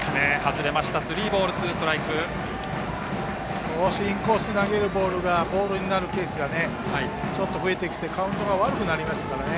少しインコースに投げるボールがボールになるケースがちょっと増えてきてカウントが悪くなりましたからね。